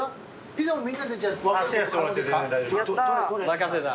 任せた。